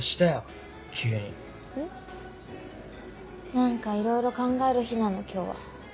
何かいろいろ考える日なの今日は。